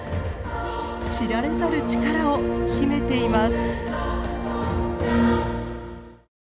知られざる力を秘めています。